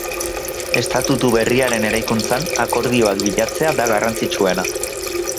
Estatutu berriaren eraikuntzan, akordioak bilatzea da garrantzitsuena.